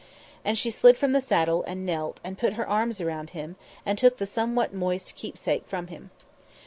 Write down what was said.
And she slid from the saddle, and knelt, and put her arms around him, and took the somewhat moist keepsake from him.